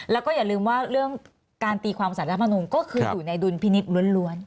แล้วก็อย่าลืมว่าเรื่องการตีความสารรัฐมนุนก็คืออยู่ในดุลพินิษฐ์ล้วน